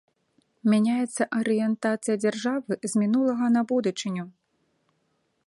Мяняецца арыентацыя дзяржавы з мінулага на будучыню.